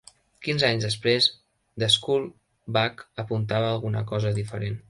Quinze anys després, "The School Bag" apuntava a alguna cosa diferent.